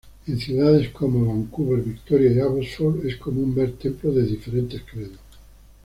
En ciudades como Vancouver, Victoria y Abbotsford es común ver templos de diferentes credos.